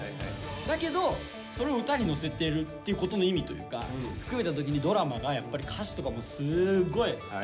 だけどそれを歌に乗せてるっていうことの意味というか含めた時に「ドラマ」がやっぱり歌詞とかもすごい。